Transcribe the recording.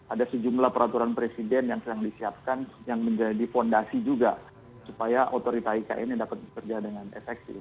ada sejumlah peraturan presiden yang sedang disiapkan yang menjadi fondasi juga supaya otorita ikn ini dapat bekerja dengan efektif